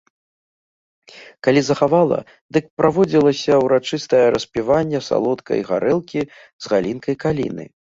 Калі захавала, дык праводзілася ўрачыстае распіванне салодкай гарэлкі з галінкай каліны.